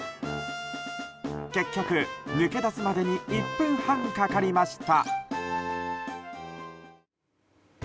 結局、抜け出すまでに１分半かかりました。